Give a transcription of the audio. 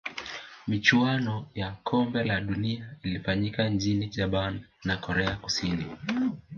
michuano ya kombe la dunia ilifanyika nchini japan na korea kusini